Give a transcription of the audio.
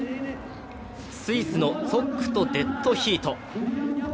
スイスのツォックとデッドヒート。